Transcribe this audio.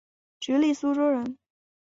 直隶苏州人。